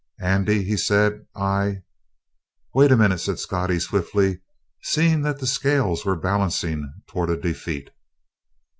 "Andy," he said, "I " "Wait a minute," said Scottie swiftly, seeing that the scales were balancing toward a defeat.